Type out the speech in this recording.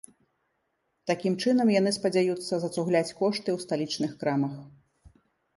Такім чынам яны спадзяюцца зацугляць кошты ў сталічных крамах.